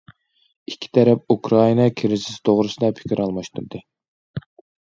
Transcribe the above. ئىككى تەرەپ ئۇكرائىنا كىرىزىسى توغرىسىدا پىكىر ئالماشتۇردى.